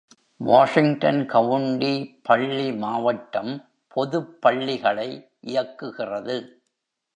Washington county பள்ளி மாவட்டம் பொதுப் பள்ளிகளை இயக்குகிறது.